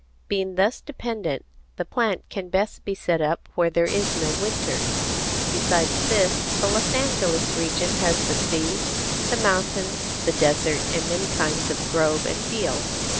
Being thus dependent, the plant can best be set up where there is no winter. Besides this, the Los Angeles region has the sea, the mountains, the desert, and many kinds of grove and field.